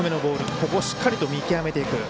ここをしっかりと見極めていく。